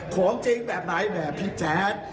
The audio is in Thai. ของจริงแบบไหนแหมพี่แจ๊ด